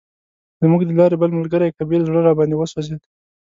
زموږ د لارې بل ملګری کبیر زړه راباندې وسوځید.